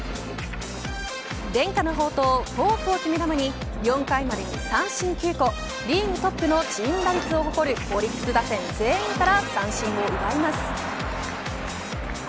伝家の宝刀フォークを決め球に４回までに三振９個リーグトップのチーム打率を誇るオリックス打線全員から三振を奪います。